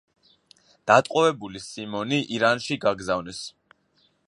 დატყვევებული სიმონი ირანში გაგზავნეს.